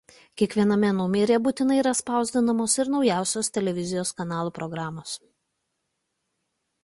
Kiekviename numeryje būtinai yra spausdinamos ir naujausios televizijos kanalų programos.